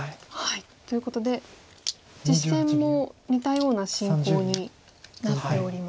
ということで実戦も似たような進行になっております。